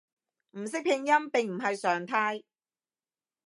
唔識拼音並唔係常態